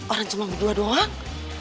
orang cuma berdua doang